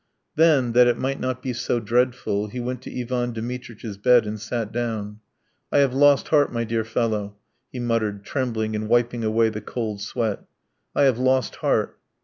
Then that it might not be so dreadful he went to Ivan Dmitritch's bed and sat down. "I have lost heart, my dear fellow," he muttered, trembling and wiping away the cold sweat, "I have lost heart."